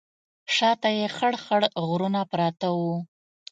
شا ته یې خړ خړ غرونه پراته وو.